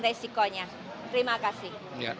resikonya terima kasih